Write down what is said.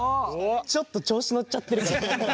ちょっと調子乗っちゃってる。